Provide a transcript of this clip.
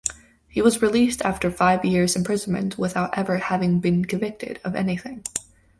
He was released after five years imprisonment without ever having been convicted of anything.